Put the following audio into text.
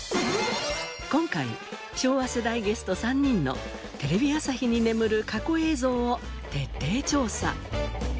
今回昭和世代ゲスト３人のテレビ朝日に眠る過去映像を徹底調査。